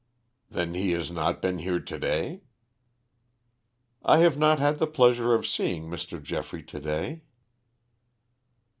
"Then he has not been here to day?" "I have not had the pleasure of seeing Mr. Geoffrey to day."